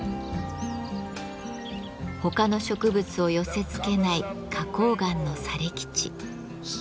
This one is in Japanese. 他の植物を寄せつけない花崗岩の砂礫地。